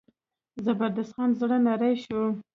زبردست خان زړه نری شو.